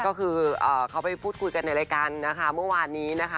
ก็คือเขาไปพูดคุยกันในรายการนะคะเมื่อวานนี้นะคะ